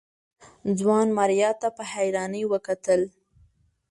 ځوان ماريا ته په حيرانۍ وکتل.